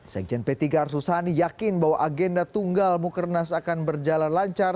sekjen p tiga arsul sani yakin bahwa agenda tunggal mukernas akan berjalan lancar